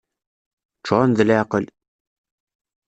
Ččuren d leεqel!